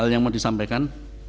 ada yang mau disampaikan